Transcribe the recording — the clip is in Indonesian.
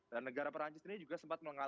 dan negara perancis ini juga sempat mengalami